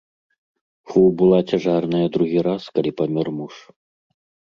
Фу была цяжарная другі раз, калі памёр муж.